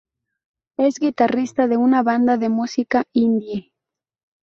Es guitarrista de una banda de música indie.